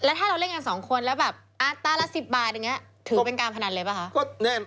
แล้วถ้าเราเล่นกัน๒คนแล้วต้าละ๑๐บาทถือเป็นการพนันเลยเปล่าคะ